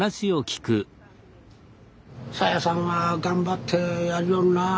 「沙耶さんは頑張ってやりよるなあ」